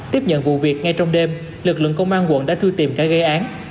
tiếp nhận vụ việc ngay trong đêm lực lượng công an quận đã thu tìm cả gây án